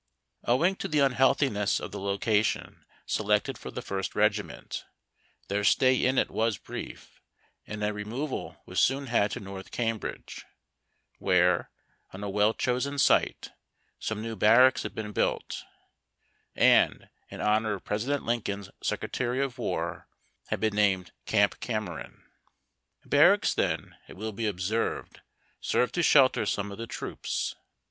Owing to the unhealthiness of the location selected for the First Regiment, their stay in it was brief, and a removal was soon had to North Cambridge, where, on a well chosen site, some new barracks had been built, and, in honor of Presi dent Lincoln's Secretary of War, had been named "Camp Cameron."' Barracks then, it will be observed, served to shelter some of the troops.